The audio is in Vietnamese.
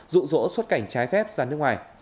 rụ rỗ suốt cảnh trái phép ra nước ngoài